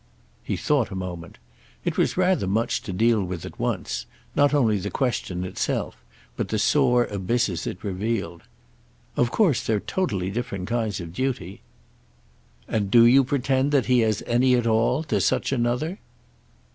He thought a moment. It was rather much to deal with at once; not only the question itself, but the sore abysses it revealed. "Of course they're totally different kinds of duty." "And do you pretend that he has any at all—to such another?"